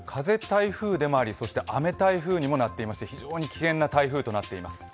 台風でもありそして雨台風にもなっていまして非常に危険な台風となっています。